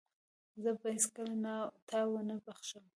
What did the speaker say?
زه به هيڅکله تا ونه بخښم.